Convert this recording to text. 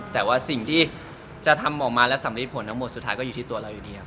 แต่ว่าสิ่งที่จะทำออกมาและสำริดผลทั้งหมดสุดท้ายก็อยู่ที่ตัวเราอยู่ดีครับ